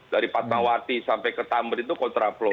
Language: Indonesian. dari patmawati sampai ke tambri itu kontraplo